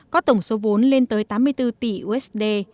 có tổng số vốn lên tới tám mươi bốn tỷ usd